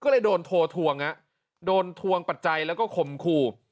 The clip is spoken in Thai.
ก็เลยโดนโทรทวงฮะโดนทวงปัจจัยแล้วก็ข่มขู่